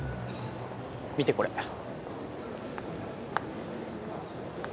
見てこれ。